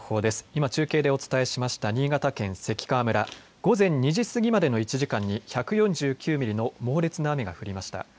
今、中継でお伝えしました新潟県関川村、午前２時過ぎまでの１時間に１４９ミリの猛烈な雨が降りました。